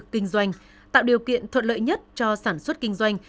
kinh doanh tạo điều kiện thuận lợi nhất cho sản xuất kinh doanh